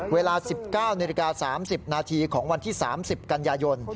เวลา๑๙นาฬิกา๓๐นาทีของวันที่๓๐กันยายน